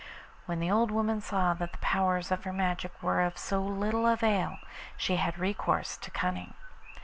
When the old woman saw that the powers of her magic were of so little avail, she had recourse to cunning.